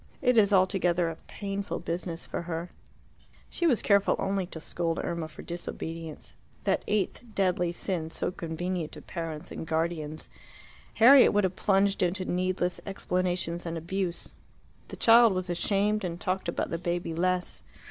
It is altogether a painful business for her." She was careful only to scold Irma for disobedience that eighth deadly sin, so convenient to parents and guardians. Harriet would have plunged into needless explanations and abuse. The child was ashamed, and talked about the baby less.